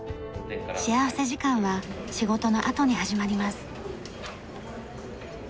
幸福時間は仕事のあとに始まります。